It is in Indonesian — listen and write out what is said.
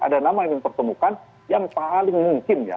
ada nama yang dipertemukan yang paling mungkin ya